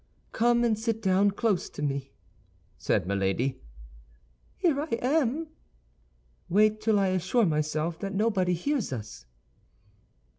"Come and sit down close to me," said Milady. "Here I am." "Wait till I assure myself that nobody hears us."